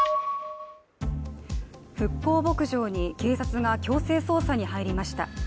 復興牧場に警察が強制捜査に入りました。